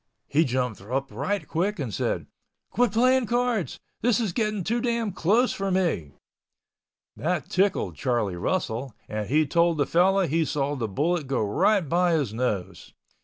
He jumped up right quick and said, "Quit playing cards. This is getting too damn close for me!" That tickled Charlie Russell and he told the fellow he saw the bullet go right by his nose.